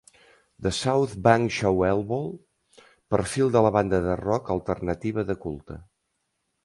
"The South Bank Show Elbow" Perfil de la banda de rock alternativa de culte